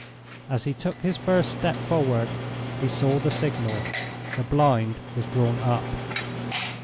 As he took his first step forward he saw the signal. The blind was drawn up.